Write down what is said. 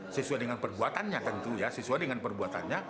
sesuai dengan perbuatannya tentu ya sesuai dengan perbuatannya